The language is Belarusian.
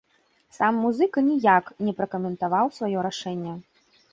Сам музыка ніяк не пракаментаваў сваё рашэнне.